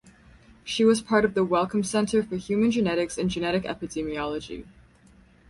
She was part of the Wellcome Centre for Human Genetics in genetic epidemiology.